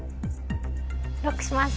ＬＯＣＫします。